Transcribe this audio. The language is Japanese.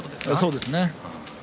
そうですね。